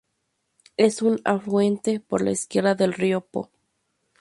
Es un afluente por la izquierda del río Po.